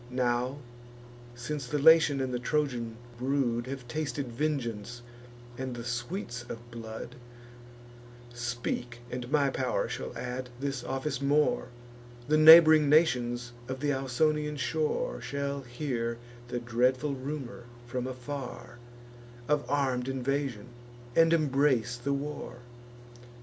Now, since the Latian and the Trojan brood Have tasted vengeance and the sweets of blood; Speak, and my pow'r shall add this office more: The neighbr'ing nations of th' Ausonian shore Shall hear the dreadful rumour, from afar, Of arm'd invasion, and embrace the war."